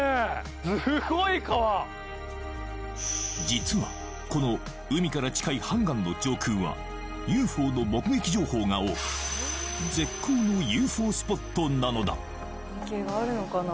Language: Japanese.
実はこの海から近い漢江の上空はＵＦＯの目撃情報が多く絶好のＵＦＯスポットなのだ